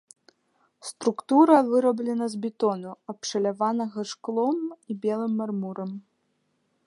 Структура выраблена з бетону, абшаляванага шклом і белым мармурам.